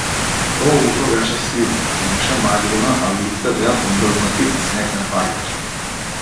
Тоа утро беше сиво, имаше маглина, а улиците беа помрзнати, снег не паѓаше.